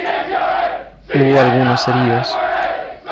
Hubo algunos heridos.